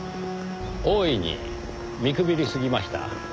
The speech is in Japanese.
大いに見くびりすぎました。